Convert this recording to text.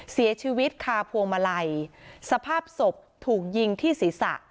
เสียชีวิตคาพวงมาลัยสภาพศพถูกยิงที่ศีรษะ